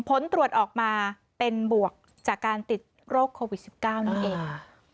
ผลตรวจออกมาเป็นบวกจากการติดโรคโควิด๑๙นั่นเอง